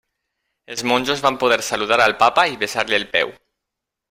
Els monjos van poder saludar al papa i besar-li el peu.